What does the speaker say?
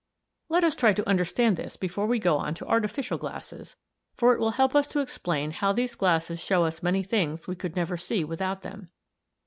] "Let us try to understand this before we go on to artificial glasses, for it will help us to explain how these glasses show us many things we could never see without them.